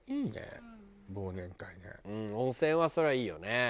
温泉はそりゃいいよね。